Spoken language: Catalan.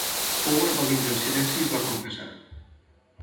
Howard va vindre en silenci i es va confessar.